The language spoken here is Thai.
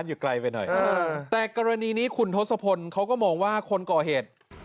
อยู่ไกลไปหน่อยแต่กรณีนี้คุณทศพลเขาก็มองว่าคนก่อเหตุ